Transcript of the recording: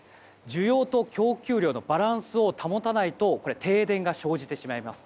需要と供給量のバランスを保たないと停電が生じてしまいます。